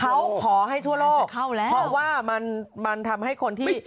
เขาขอให้ทั่วโลกเพราะว่ามันทำให้คนที่